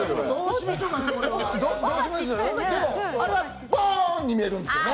あれはブォーンに見えるんですよね。